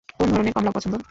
কোন ধরণের কমলা পছন্দ?